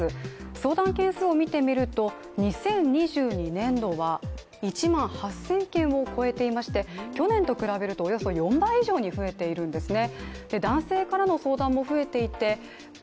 相談件数を見てみると、２０２２年度は１万８０００件を超えておりまして去年と比べるとおよそ４倍以上に増えているんですね。